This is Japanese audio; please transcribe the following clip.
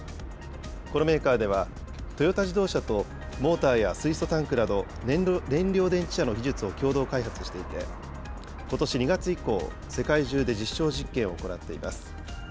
このメーカーでは、トヨタ自動車とモーターや水素タンクなど、燃料電池車の技術を共同開発していて、ことし２月以降、世界中で実証実験を行っています。